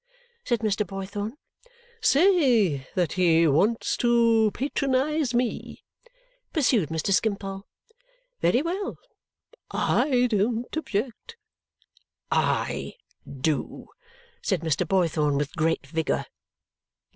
said Mr. Boythorn. "Say that he wants to patronize me," pursued Mr. Skimpole. "Very well! I don't object." "I do," said Mr. Boythorn with great vigour.